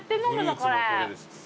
これ。